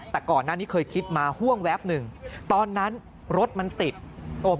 แต่ก่อนหน้านี้เคยคิดมาห่วงแวบหนึ่งตอนนั้นรถมันติดโอ้